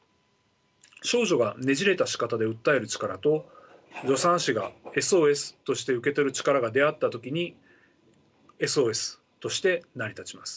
少女がねじれたしかたで訴える力と助産師がＳＯＳとして受け取る力が出会った時にＳＯＳとして成り立ちます。